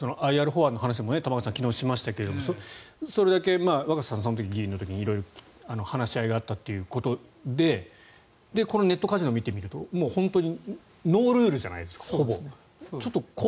玉川さん、昨日ＩＲ法案の話もしましたがそれだけ若狭さんはその時議員の時に話し合いがあったということでこのネットカジノを見てみると本当にノールールじゃないですか。